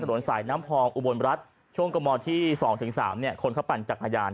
ถนนสายน้ำพองอุบลรัฐช่วงกระมที่๒๓คนเขาปั่นจักรยาน